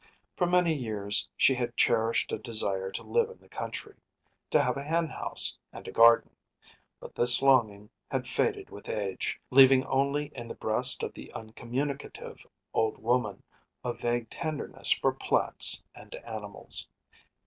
For many years she had cherished a desire to live in the country, to have a hen house and a garden; but this longing had faded with age, leaving only in the breast of the uncommunicative old woman a vague tenderness for plants and animals.